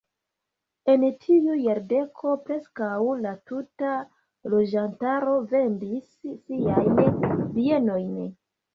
En tiu jardeko preskaŭ la tuta loĝantaro vendis siajn bienojn.